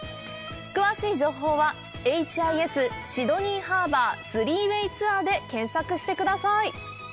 詳しい情報は「ＨＩＳシドニーハーバー３Ｗａｙツアー」で検索してください。